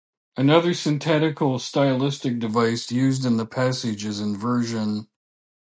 Another syntactical stylistic device used in the passage is inversion.